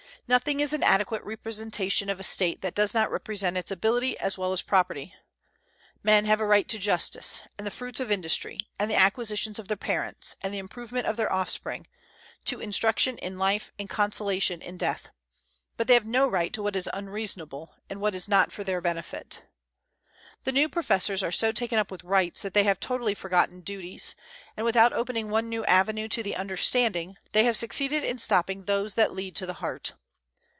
Nothing is an adequate representation of a State that does not represent its ability as well as property. Men have a right to justice, and the fruits of industry, and the acquisitions of their parents, and the improvement of their offspring, to instruction in life and consolation in death; but they have no right to what is unreasonable, and what is not for their benefit. The new professors are so taken up with rights that they have totally forgotten duties; and without opening one new avenue to the understanding, they have succeeded in stopping those that lead to the heart.